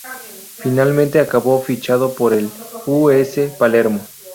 Finalmente acabó fichando por el U. S. Palermo.